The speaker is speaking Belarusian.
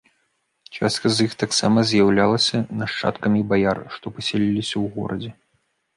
Частка з іх таксама з'яўлялася нашчадкамі баяр, што пасяліліся ў горадзе.